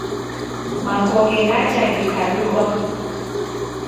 Makonge ghacha ghikadukwa